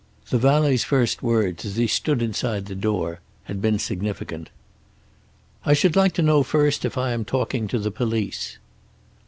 The valet's first words, as he stood inside the door, had been significant. "I should like to know, first, if I am talking to the police."